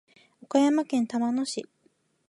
岡山県玉野市